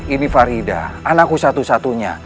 ini farida anakku satu satunya